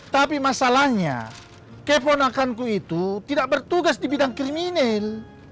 tapi masalahnya keponakanku itu tidak bertugas di bidang kriminal